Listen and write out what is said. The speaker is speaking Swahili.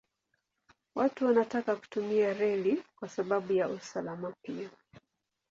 Watu wanataka kutumia reli kwa sababu ya usalama pia.